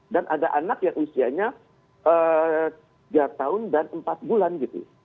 dan ada anak yang usianya tiga tahun dan empat bulan gitu